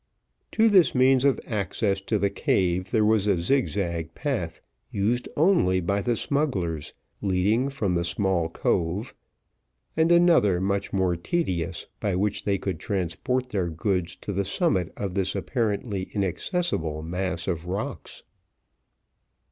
To this means of access to the cave there was a zigzag path, used only by the smugglers, leading from the small cove, and another much more tedious, by which they could transport their goods to the summit of this apparently inaccessible mass of rocks.